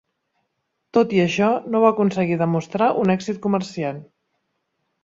Tot i això, no va aconseguir demostrar un èxit comercial.